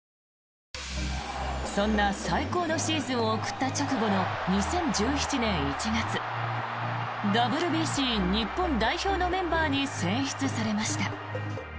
そんな最高のシーズンを送った直後の２０１７年１月ＷＢＣ日本代表のメンバーに選出されました。